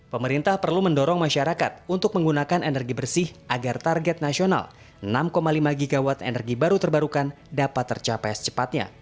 pemerintah perlu mendorong masyarakat untuk menggunakan energi bersih agar target nasional enam lima gw energi baru terbarukan dapat tercapai secepatnya